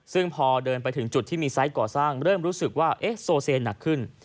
ซึ่งพอเดินไปถึงจุดที่มีไซส์ก่อสร้างเริ่มรู้สึกว่าโซเซหนักขึ้น